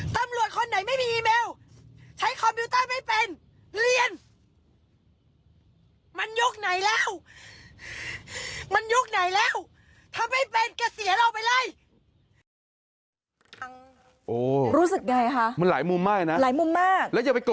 ทำไมทำให้ประชาชนไม่ได้